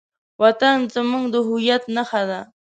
وطن زموږ د هویت نښه ده.